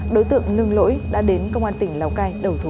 đối tượng nương lỗi đã đến công an tỉnh lào cai đầu thú